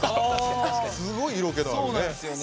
すごい色気のあるね。